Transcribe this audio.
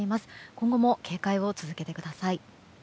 今後も警戒を続けてください。